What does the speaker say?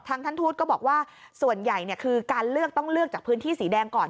ท่านทูตก็บอกว่าส่วนใหญ่คือการเลือกต้องเลือกจากพื้นที่สีแดงก่อน